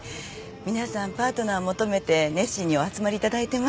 皆さんパートナーを求めて熱心にお集まり頂いてます。